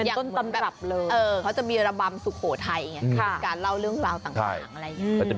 อย่างเหมือนต้นตำรับเลยเค้าจะมีระบำสุโขทัยเนี่ยการเล่าเรื่องของใต้ต่างอะไรเนี่ย